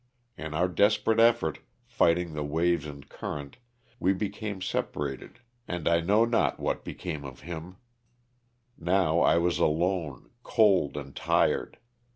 In our desperate Loss OF THE StJLTAlf A. ^13 effort, fighting the waves and current, we became sepa rated and I know not what became of him. Now I was alone, cold and tired.